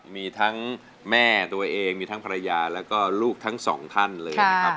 มีทั้งแม่ตัวเองมีทั้งภรรยาแล้วก็ลูกทั้งสองท่านเลยนะครับ